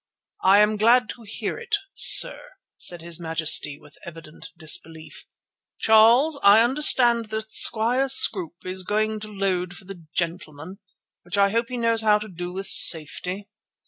"I am glad to hear it, sir," said his majesty with evident disbelief. "Charles, I understand that Squire Scroope is going to load for the gentleman, which I hope he knows how to do with safety.